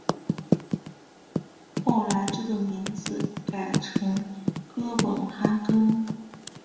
后来这个名字改成哥本哈根。